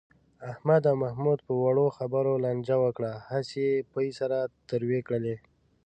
احمد او محمود په وړو خبرو لانجه وکړه. هسې یې پۍ سره تروې کړلې.